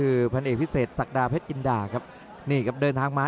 อื้อหือจังหวะขวางแล้วพยายามจะเล่นงานด้วยซอกแต่วงใน